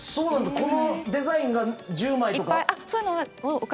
このデザインが１０枚とか。